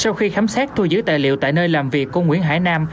sau khi khám xét thu giữ tài liệu tại nơi làm việc của nguyễn hải nam